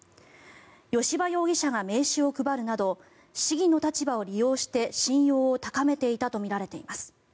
吉羽容疑者が名刺を配るなど市議の立場を利用して信用を高めていたとみられています。